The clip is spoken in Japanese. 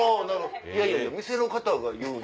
いやいや店の方が言う。